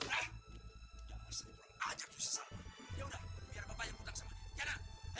ibu gak bisa lagi ngutangnya kemarin aja ibu belum bayar pak